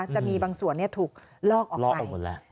จะมีบางส่วนถูกลอกออกไป